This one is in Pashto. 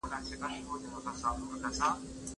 زه له سهاره د تکړښت لپاره ځم؟